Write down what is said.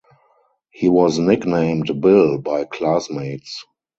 He was nicknamed "Bill" by classmates.